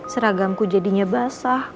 seragamku jadinya basah